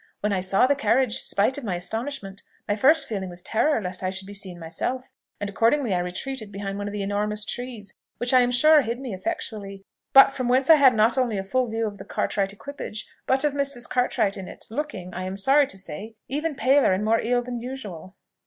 When I saw the carriage, spite of my astonishment, my first feeling was terror lest I should be seen myself; and accordingly I retreated behind one of the enormous trees, which I am sure hid me effectually, but from whence I had not only a full view of the Cartwright equipage, but of Mrs. Cartwright in it, looking, I am sorry to say, even paler and more ill than usual."